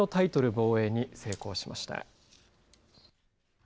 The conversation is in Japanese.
防衛に成功しました。